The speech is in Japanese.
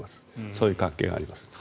そういう関係があります。